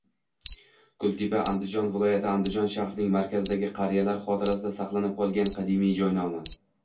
Kultepa - Andijon viloyati Andijon shahrining markazidagi qariyalar xotirasida saqlanib qolgan qadimiy joy nomi.